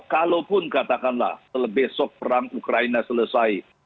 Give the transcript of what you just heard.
kalaupun katakanlah besok perang ukraina selesai